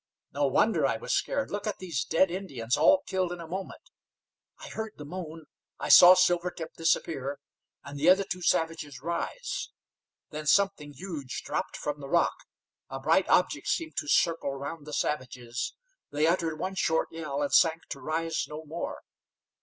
No wonder I was scared! Look at these dead Indians, all killed in a moment. I heard the moan; I saw Silvertip disappear, and the other two savages rise. Then something huge dropped from the rock; a bright object seemed to circle round the savages; they uttered one short yell, and sank to rise no more.